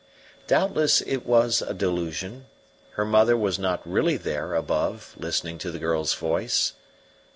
Doubtless it was a delusion; her mother was not really there above listening to the girl's voice.